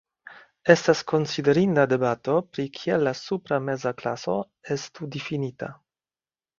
Estas konsiderinda debato pri kiel la supra meza klaso estu difinita.